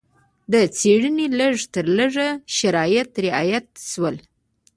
د څېړنې لږ تر لږه شرایط رعایت شول.